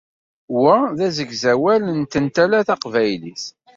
Wa d asegzawal n tentala taqbaylit.